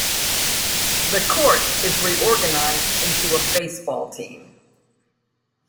The Court is reorganized into a baseball team.